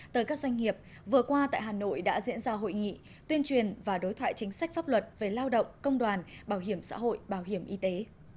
tới các doanh nghiệp vừa qua tại hà nội đã diễn ra hội nghị tuyên truyền và đối thoại chính sách pháp luật về lao động công đoàn bảo hiểm xã hội bảo hiểm y tế